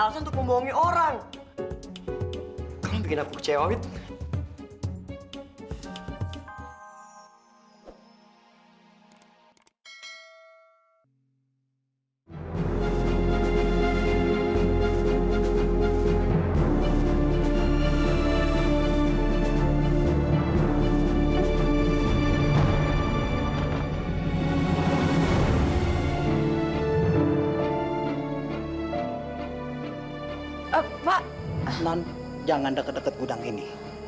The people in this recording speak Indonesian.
jangan deket deket gudang ini